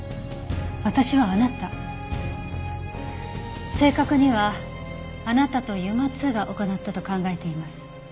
私はあなた正確にはあなたとＵＭＡ−Ⅱが行ったと考えています。